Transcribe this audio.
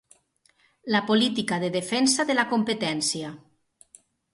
La política de defensa de la competència.